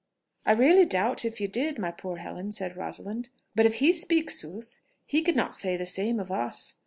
"I really doubt if you did, my poor Helen," said Rosalind; "but if he speak sooth, he could not say the same of us.